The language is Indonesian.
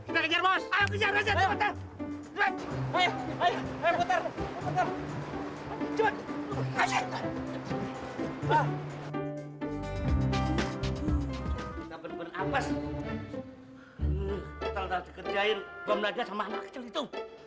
kita harus ngekerjain bom lada sama anak kecil itu